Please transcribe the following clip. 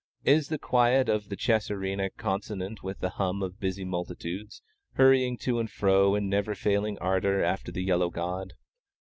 Is the quiet of the chess arena consonant with the hum of busy multitudes, hurrying to and fro in never failing ardor after the yellow god?